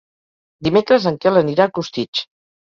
Dimecres en Quel anirà a Costitx.